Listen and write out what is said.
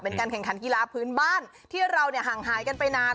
เป็นการแข่งขันกีฬาพื้นบ้านที่เราเนี่ยห่างหายกันไปนาน